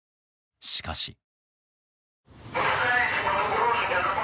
しかし。